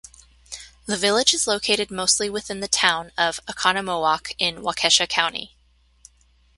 The village is located mostly within the town of Oconomowoc in Waukesha County.